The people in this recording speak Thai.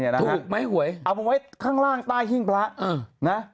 ถูกไหมหวยเอามาไว้ข้างล่างใต้หิ้งพระนะ